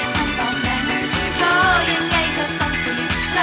จนคนต่อแน่ในช่องโทรอย่างไรก็ต้องเสีย